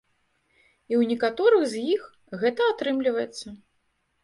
І ў некаторых з іх гэта атрымліваецца.